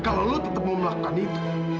kalau lu tetep mau melakukan itu